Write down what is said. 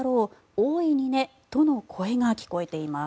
大いにねとの声が聞こえています。